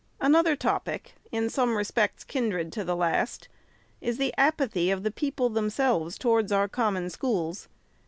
Another topic, in some respects kindred to the last, is the apathy of the people themselves towards our Common Schools.